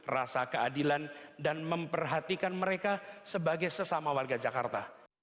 rasa keadilan dan memperhatikan mereka sebagai sesama warga jakarta